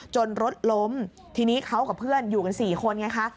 รถล้มทีนี้เขากับเพื่อนอยู่กัน๔คนไงคะ